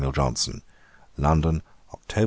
JOHNSON.' 'London, Octob.